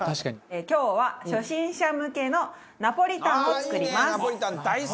今日は初心者向けのナポリタンを作ります。